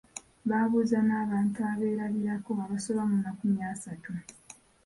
Baabuuza n’abantu abeerabirako abasoba mu makumi asatu.